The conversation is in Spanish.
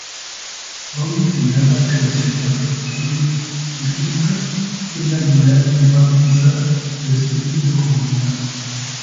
Hawn señala que las interpretaciones cíclicas tienden a enfatizar el espíritu de comunidad.